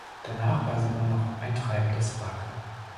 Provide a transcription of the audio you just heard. Danach war sie nur noch ein treibendes Wrack.